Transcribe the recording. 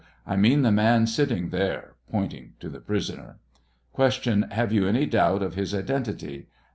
I mean the man sitting there, (pointing to the prisoner.) Q. Have you any doubt of his identity